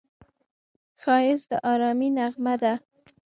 ښایست د ارامۍ نغمه ده